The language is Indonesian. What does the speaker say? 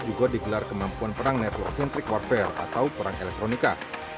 juga digelar kemampuan perang network centric warfare atau perang elektronika